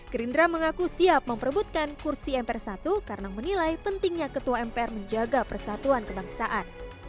gerindra mengaku siap memperbutkan kursi mpr satu karena menilai pentingnya ketua mpr menjaga persatuan kebangsaan